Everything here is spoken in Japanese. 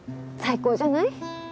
最高じゃない？